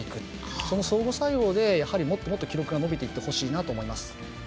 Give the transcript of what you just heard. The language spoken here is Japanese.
その相互作用でもっともっと記録が伸びていってほしいなと思います。